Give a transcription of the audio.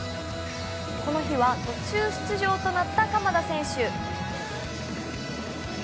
この日は途中出場となった鎌田選手。